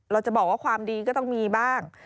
เราจะบอกว่าความดีก็ต้องมีบ้าง